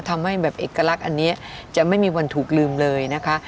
ทำให้แบบเอกลักษณ์อันนี้จะไม่มีวันถูกลืมเลยนะคะ